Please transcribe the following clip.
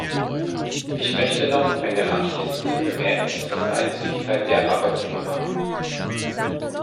Ich möchte noch eine abschließende Bemerkung zur Freizügigkeit der Arbeitnehmer machen.